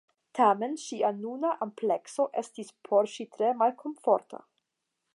Tamen ŝia nuna amplekso estis por ŝi tre malkomforta.